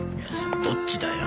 どっちだよ。